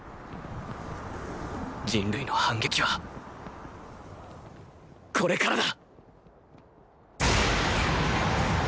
人類の反撃はこれからだ！